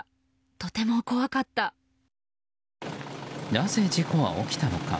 なぜ、事故は起きたのか。